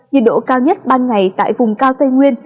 nhiệt độ cao nhất ban ngày tại vùng cao tây nguyên